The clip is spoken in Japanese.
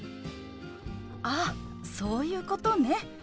ああそういうことね。